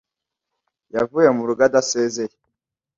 Yavuye mu rugo atasezeye.